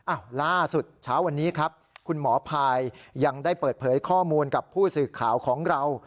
ล่าสุดเช้าวันนี้ครับคุณหมอพายยังได้เปิดเผยข้อมูลกับผู้สื่อข่าวของเรา